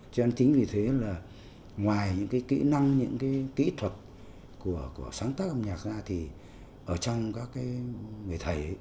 cho nên chính vì thế là ngoài những cái kỹ năng những cái kỹ thuật của sáng tác âm nhạc ra thì ở trong các người thầy